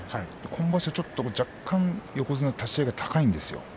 今場所若干横綱、立ち合いが高いんですよ。